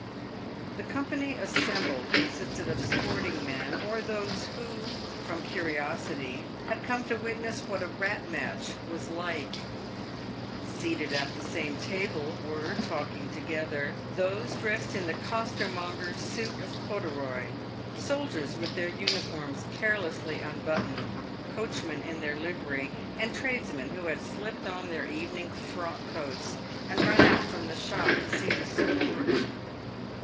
The company assembled consisted of sporting men, or those who, from curiosity, had come to witness what a rat match was like. Seated at the same table were, talking together, those dressed in the costermonger's suit of corduroy, soldiers with their uniforms carelessly unbuttoned, coachmen in their livery, and tradesmen who had slipped on their evening frock coats, and run out from the shop to see the sport.